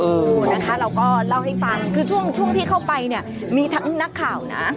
เออนะคะเราก็เล่าให้ฟังคือช่วงช่วงที่เข้าไปเนี่ยมีทั้งนักข่าวนะ